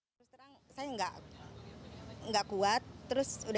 inci sudah berusaha untuk mengambil sampel dna